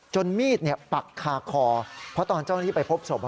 มีดปักคาคอเพราะตอนเจ้าหน้าที่ไปพบศพ